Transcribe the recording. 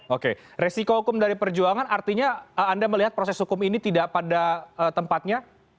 oke resiko hukum dari perjuangan artinya anda melihat proses hukum ini tidak pada tempatnya